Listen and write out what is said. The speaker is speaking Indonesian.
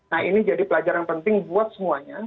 nah ini jadi pelajaran penting buat semuanya